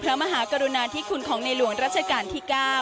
มหากรุณาธิคุณของในหลวงรัชกาลที่๙